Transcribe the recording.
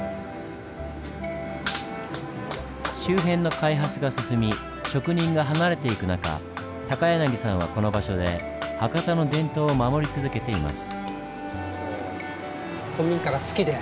周辺の開発が進み職人が離れていく中高柳さんはこの場所で博多の伝統を守り続けています。